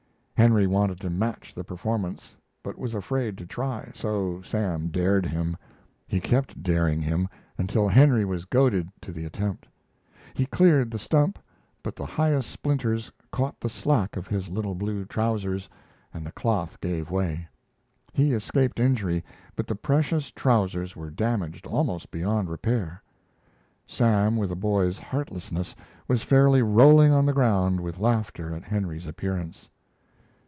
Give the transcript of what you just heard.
Henry wanted to match the performance, but was afraid to try, so Sam dared him. He kept daring him until Henry was goaded to the attempt. He cleared the stump, but the highest splinters caught the slack of his little blue trousers, and the cloth gave way. He escaped injury, but the precious trousers were damaged almost beyond repair. Sam, with a boy's heartlessness, was fairly rolling on the ground with laughter at Henry's appearance.